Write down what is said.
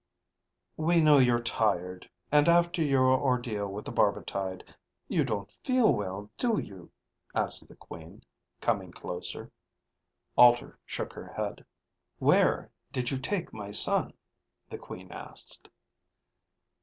"We know you're tired, and after your ordeal with the barbitide you don't feel well, do you?" asked the Queen, coming closer. Alter shook her head. "Where did you take my son?" the Queen asked.